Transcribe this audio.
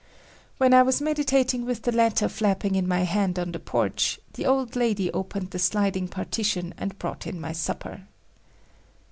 When I was meditating with the letter flapping in my hand on the porch, the old lady opened the sliding partition and brought in my supper.